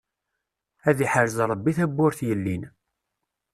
Ad iḥrez Rebbi tawwurt yellin.